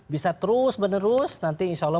bisa terus menerus nanti insya allah